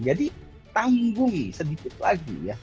jadi tanggungi sedikit lagi ya